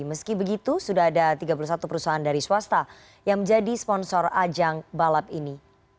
meski begitu sudah ada tiga puluh satu perusahaan dari swasta yang menjadi sponsor ajang balap ini